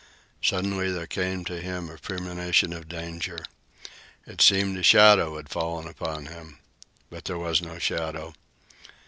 Suddenly there came to him a premonition of danger. It seemed a shadow had fallen upon him. But there was no shadow.